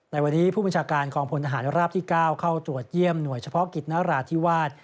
ในวันนี้ผู้บัญชาการกองพลทหารราบที่๙เข้าตรวจเยี่ยมหน่วยเฉพาะกิจนราธิวาส